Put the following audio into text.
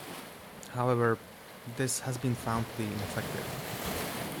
However, this has been found to be ineffective.